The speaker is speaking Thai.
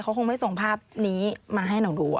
เขาคงไม่ส่งภาพนี้มาให้หนูดู